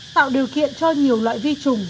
tạo điều kiện cho nhiều loại vi trùng